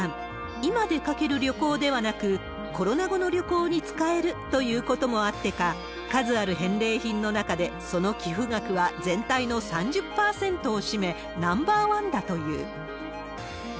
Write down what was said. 今出かける旅行ではなく、コロナ後の旅行に使えるということもあってか、数ある返礼品の中でその寄付額は全体の３０％を占め、ナンバー１だという。